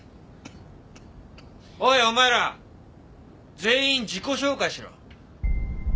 おいお前ら全員自己紹介しろ。